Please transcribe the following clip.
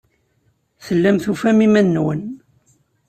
Tellam tufam iman-nwen.